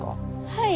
はい。